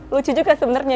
lucu juga sebenarnya